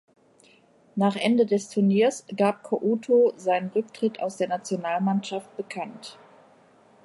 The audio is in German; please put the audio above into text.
Nach Ende des Turniers gab Couto seinen Rücktritt aus der Nationalmannschaft bekannt.